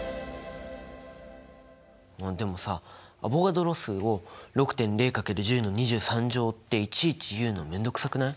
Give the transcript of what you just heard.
あっでもさアボガドロ数を６．０×１０の２３乗っていちいち言うの面倒くさくない？